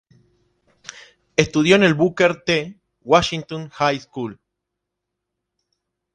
Estudió en el Booker T. Washington High School.